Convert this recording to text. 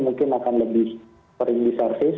mungkin akan lebih sering diservis